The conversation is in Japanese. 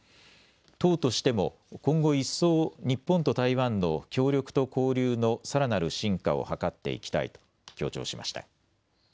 党としても今後、一層、日本と台湾の協力と交流のさらなる深化を図っていきたいと強調しました。